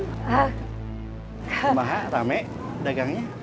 semangat rame dagangnya